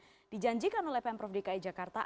yang dijanjikan oleh pemprov dki jakarta